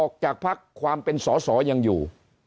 ออกจากภังความเป็นสบายอยู่